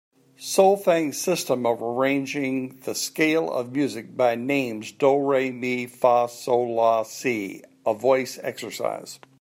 Solfaing system of arranging the scale of music by the names do, re, mi, fa, sol, la, si a voice exercise.